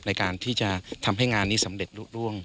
ในการที่จะทำให้งานนี้สำเร็จลุร่วง